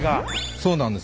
そうなんです。